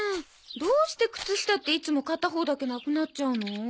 どうして靴下っていつも片方だけなくなっちゃうの？